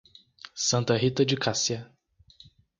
Santa Rita de Cássia